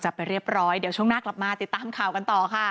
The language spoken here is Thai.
ไปเรียบร้อยเดี๋ยวช่วงหน้ากลับมาติดตามข่าวกันต่อค่ะ